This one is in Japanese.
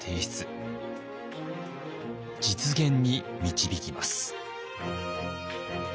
実現に導きます。